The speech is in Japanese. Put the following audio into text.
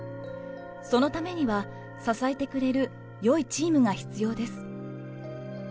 そのためには、支えてくれるよいチームが必要です。